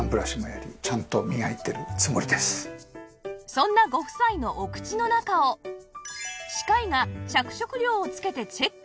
そんなご夫妻のお口の中を歯科医が着色料を付けてチェック